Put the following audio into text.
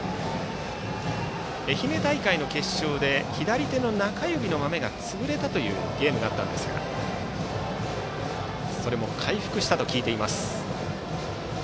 愛媛大会の決勝で左手の中指のまめが潰れたというゲームがあったんですがそれも回復したと聞いています。